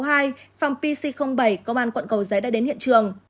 phòng pc bảy công an quận cầu giấy đã đến hiện trường